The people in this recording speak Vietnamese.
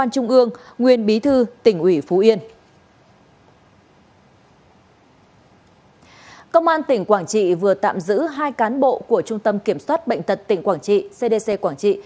công an tỉnh quảng trị vừa tạm giữ hai cán bộ của trung tâm kiểm soát bệnh tật tỉnh quảng trị cdc quảng trị